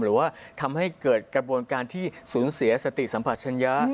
หรือว่าทำให้เกิดกระบวนการที่สูญเสียสติสัมผัสชัญญา